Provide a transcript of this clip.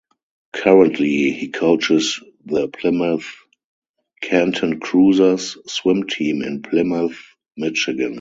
Currently, he coaches the Plymouth Canton Cruisers swim team in Plymouth, Michigan.